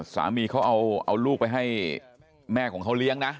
สามีเขาเอาลูกไปให้แม่ของเขาเลี้ยงนะ